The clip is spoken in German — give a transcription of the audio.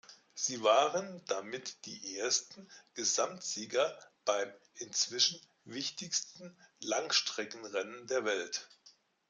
Sie waren damit die ersten Gesamtsieger beim inzwischen wichtigsten Langstreckenrennen der Welt.